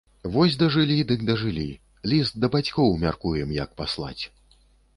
Вось дажылі дык дажылі, ліст да бацькоў мяркуем як паслаць.